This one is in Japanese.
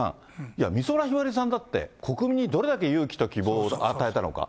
いや、美空ひばりさんだって、国民にどれだけ勇気と希望を与えたのか。